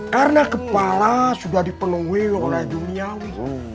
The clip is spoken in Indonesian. karena kepala sudah dipenuhi oleh duniawi